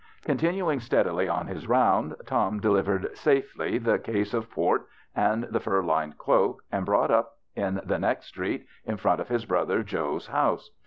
Continuing steadily on his round, Tom de livered safely the case of port, and the fur lined cloak, and brought up in the next street, in front of his brother Joe's house.